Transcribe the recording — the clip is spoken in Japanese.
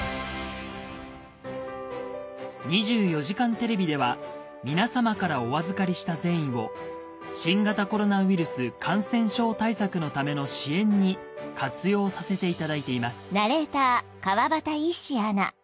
『２４時間テレビ』では皆様からお預かりした善意を新型コロナウイルス感染症対策のための支援に活用させていただいています